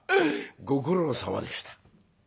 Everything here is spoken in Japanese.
「ご苦労さまでした」。